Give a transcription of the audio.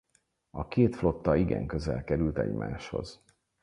A két flotta igen közel került egymáshoz.